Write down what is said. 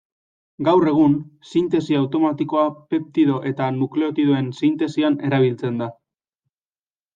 Gaur egun, sintesi automatikoa peptido eta nukleotidoen sintesian erabiltzen da.